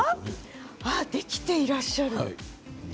ああ、できていらっしゃる。